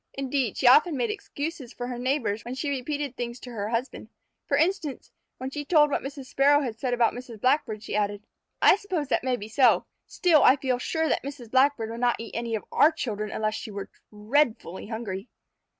Indeed, she often made excuses for her neighbors when she repeated things to her husband. For instance, when she told what Mrs. Sparrow had said about Mrs. Blackbird, she added: "I suppose that may be so, still I feel sure that Mrs. Blackbird would not eat any of our children unless she were dreadfully hungry."